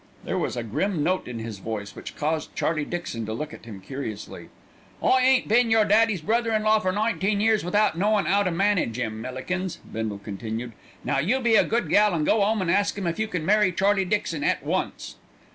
There was a grim note in his voice, which caused Charlie Dixon to look at him curiously. "I ain't been your daddy's brother in law for nineteen years without knowing 'ow to manage 'im, Millikins," Bindle continued. "Now you be a good gal and go 'ome and ask 'im if you can marry Charlie Dixon at once."